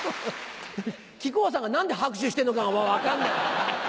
木久扇さんが何で拍手してんのかが分かんない。